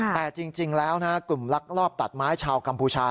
แต่จริงแล้วนะกลุ่มลักลอบตัดไม้ชาวกัมพูชา